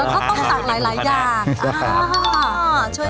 ก็ต้องสั่งหลายอย่าง